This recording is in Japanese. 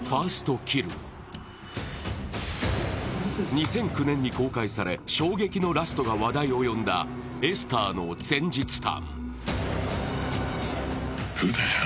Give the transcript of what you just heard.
２００９年に公開され、衝撃のラストが話題を呼んだ「エスター」の前日譚。